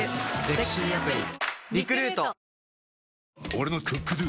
俺の「ＣｏｏｋＤｏ」！